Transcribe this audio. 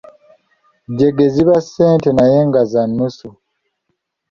Jjege ziba ssente naye nga za nnusu.